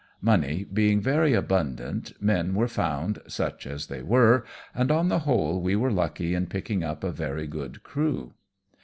Money being very abundant, men were found, such as they were, and on the whole, we were lucky in picking up a very good crew.